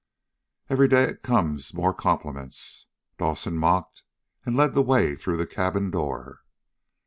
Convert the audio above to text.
"Every day it comes more compliments!" Dawson mocked, and led the way through the cabin door.